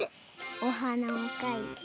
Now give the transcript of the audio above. おはなをかいて。